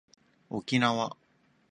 沖縄